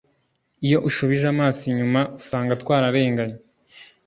Iyo ushubije amaso inyuma usanga twararenganye